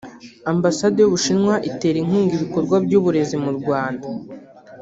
Ambasade y’u Bushinwa itera inkunga ibikorwa by’uburezi mu Rwanda